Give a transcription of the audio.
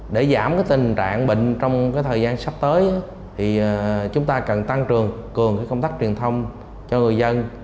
để giảm tình trạng bệnh trong thời gian sắp tới chúng ta cần tăng cường cường công tác truyền thông cho người dân